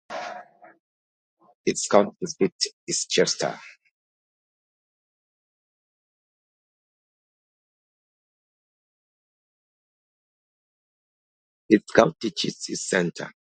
Its county seat is Chester.